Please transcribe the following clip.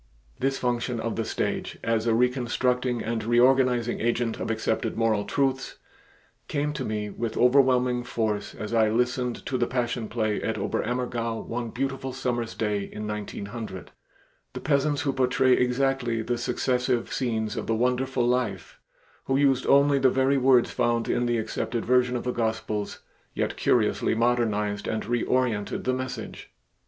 This function of the stage, as a reconstructing and reorganizing agent of accepted moral truths, came to me with overwhelming force as I listened to the Passion Play at Oberammergau one beautiful summer's day in 1900. The peasants who portrayed exactly the successive scenes of the wonderful Life, who used only the very words found in the accepted version of the Gospels, yet curiously modernized and reorientated the message.